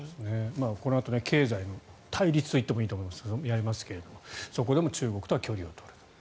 このあと経済の対立と言っていいと思いますがそちらもやりますがそこでも中国と距離を取ると。